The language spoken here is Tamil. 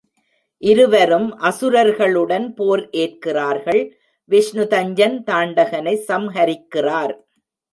இருவரும் அசுரர்களுடன் போர் ஏற்கிறார் கள் விஷ்ணு தஞ்சன், தாண்டகனைச் சம்ஹரிக்கிறார்.